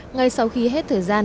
ngay sau khi hết thời gian